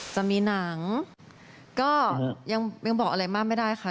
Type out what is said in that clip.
จะมีหนังก็ยังบอกอะไรมากไม่ได้ค่ะ